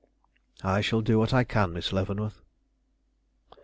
"I shall do what I can, Miss Leavenworth."